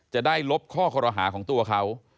จะได้ลบข้อคอรหาของตัวเขา